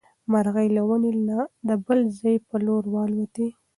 مرغۍ له ونې نه د بل ځای په لور والوتې.